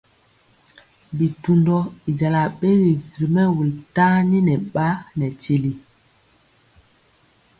Bitundɔ i jala ɓegi ri mɛwul tani nɛ ɓa nɛ tili.